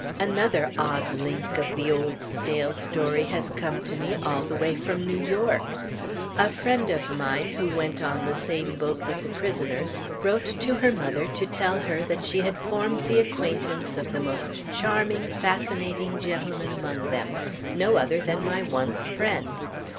Another odd link of the old, stale story has come to me, all the way from New York. A friend of mine, who went on the same boat with the prisoners, wrote to her mother to tell her that she had formed the acquaintance of the most charming, fascinating gentleman among them, no other than my once friend.